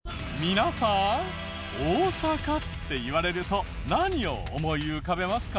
皆さん「大阪」っていわれると何を思い浮かべますか？